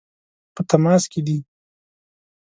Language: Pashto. په تماس کې دي.